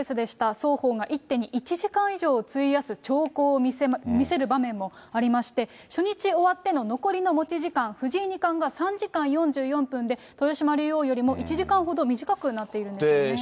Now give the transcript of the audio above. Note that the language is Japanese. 双方が一手に１時間以上を費やす長考を見せる場面もありまして、初日終わっての残りの持ち時間、藤井二冠が３時間４４分で、豊島竜王よりも１時間ほど短くなっているんですね。